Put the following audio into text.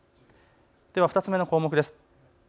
では２つ目の項目です。